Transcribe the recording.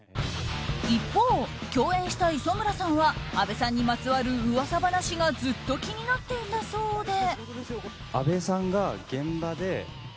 一方、共演した磯村さんは阿部さんにまつわる噂話がずっと気になっていたそうで。